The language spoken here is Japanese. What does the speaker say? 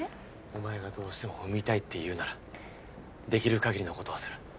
お前がどうしても産みたいっていうならできる限りのことはする。